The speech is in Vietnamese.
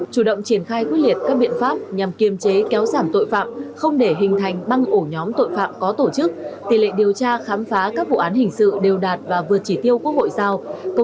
chủ động triển khai quyết liệt các biện pháp nhằm kiềm chế kéo giảm tội phạm không để hình thành băng ổ nhóm tội phạm có tổ chức tỷ lệ điều tra khám phá các vụ án hình sự đều đạt và vượt chỉ tiêu quốc hội giao